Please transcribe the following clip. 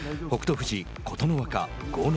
富士、琴ノ若豪ノ